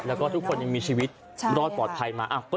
แล้วก็ทุกคนยังมีชีวิตรอดปลอดภัยมา